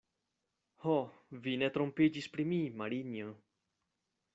Ho, vi ne trompiĝis pri mi, Marinjo!